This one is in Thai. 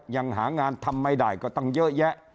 ยังหางานทำไม่ได้ก็ตั้งเยอะแยะ